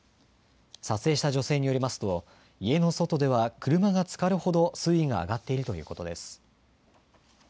撮影した女性によりますと、家の外では車がつかるほど水位が上がっているということです。